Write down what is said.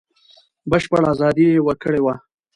بشپړه ازادي یې ورکړې وه.